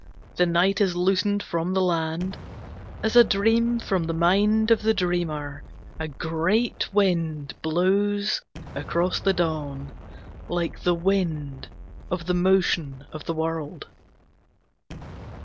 The night is loosened from the land, As a dream from the mind of the dreamer. A great wind blows across the dawn, Like the wind of the motion of the world.